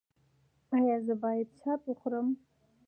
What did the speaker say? ایا زه باید شات وخورم؟